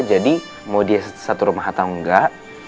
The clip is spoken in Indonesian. jadi mau dia satu rumah atau enggak